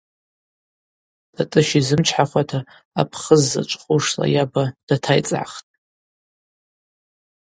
Тӏатӏыщ йзымчхӏауата апхыз зачӏвхушла йаба датайцӏгӏахтӏ.